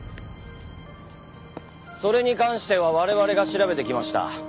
それに関しては我々が調べてきました。